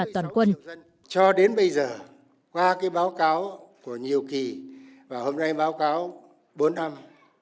toàn quân cho đến bây giờ qua báo cáo của nhiều kỳ và hôm nay báo cáo bốn năm